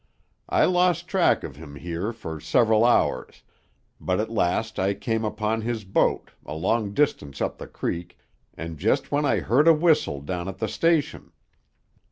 I lost track of him here for several hours, but at last I came upon his boat, a long distance up the creek, and just when I heard a whistle down at the station.